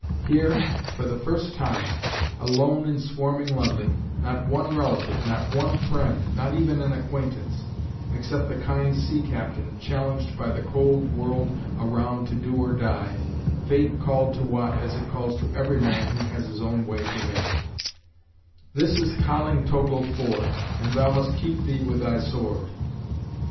Here, for the first time, alone in swarming London, not one relative, not one friend, not even an acquaintance, except the kind sea captain, challenged by the cold world around to do or die, fate called to Watt as it calls to every man who has his own way to make: "This is Collingtogle ford, And thou must keep thee with thy sword."